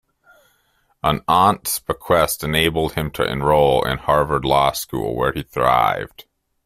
An aunt's bequest enabled him to enroll in Harvard Law School, where he thrived.